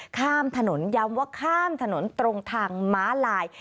ข้ามถนนย้ำว่าข้ามถนนตรงทางม้าลาย